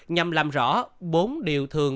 nhằm làm rõ bốn điều thường